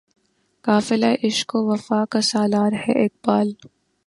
قافلہِ عشق و وفا کا سالار ہے اقبال